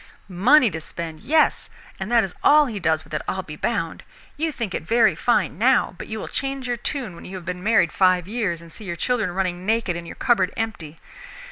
"Money to spend? Yes, and that is all he does with it I'll be bound. You think it very fine now, but you will change your tune when you have been married five years and see your children running naked and your cupboard empty.